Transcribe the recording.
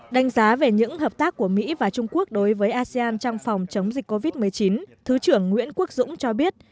đánh giá về những hợp tác của mỹ và trung quốc đối với asean trong phòng chống dịch covid một mươi chín thứ trưởng nguyễn quốc dũng cho biết